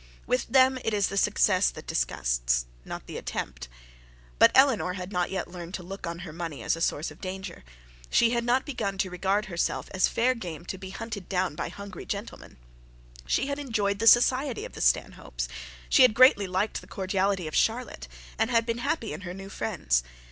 With them it is the success that disgusts, not the attempt. But Eleanor had not yet learnt to look on her money as a source of danger; she had not begun to regard herself as fair game to be hunted down by hungry gentlemen. She had enjoyed the society of the Stanhopes, she had greatly liked the cordiality of Charlotte, and had been happy in her new friends.